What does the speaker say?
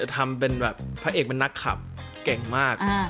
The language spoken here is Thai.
ทำเป็นแบบพระเอกเป็นนักขับเก่งมาก